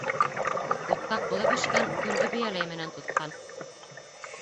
Утҡа ҡулы бешкән көлдө бейәләй менән тотҡан.